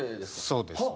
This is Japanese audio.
そうです。